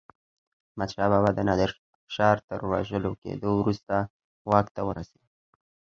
احمدشاه بابا د نادر افشار تر وژل کېدو وروسته واک ته ورسيد.